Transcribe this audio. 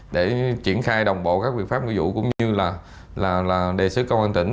để triển khai đồng bộ các quyền pháp ngư dụ cũng như là đề xứ công an tỉnh